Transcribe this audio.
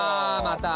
また。